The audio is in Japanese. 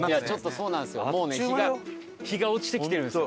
そうなんですよ。